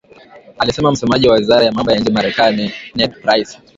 alisema msemaji wa wizara ya mambo ya nje Marekani Ned Price